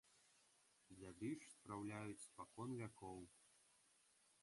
Дзяды ж спраўляюць спакон вякоў.